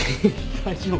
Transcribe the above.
大丈夫？